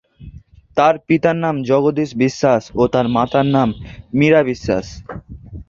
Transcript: তার পিতার নাম জগদীশ বিশ্বাস ও মাতার নাম মীরা বিশ্বাস।